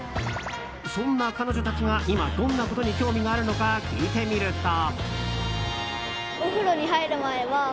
そんな彼女たちが今どんなことに興味があるのか聞いてみると。